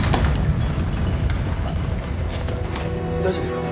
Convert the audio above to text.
大丈夫ですか？